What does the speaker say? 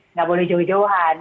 nggak boleh jauh jauhan